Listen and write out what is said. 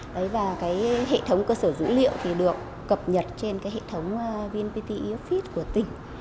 đấy và cái hệ thống cơ sở dữ liệu thì được cập nhật trên cái hệ thống vnpt efice của tỉnh